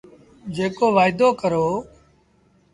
جيڪو وآئيدو ڪرو۔